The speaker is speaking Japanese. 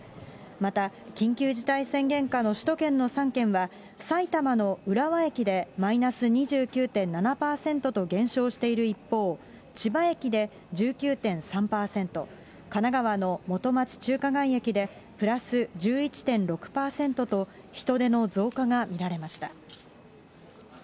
また緊急事態宣言下の首都圏の３県は埼玉の浦和駅でマイナス２９．７％と減少している一方、千葉駅で１９．３％、神奈川の元町・中華街駅でプラス１１．６％と、人出の増加が見られました。